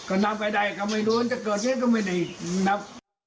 ก็นับไปได้ก็ไม่รู้จะเกิดยังไงก็ไม่ดีนับ